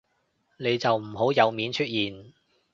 你就唔好有面出現